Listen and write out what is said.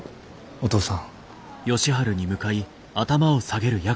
お父さん。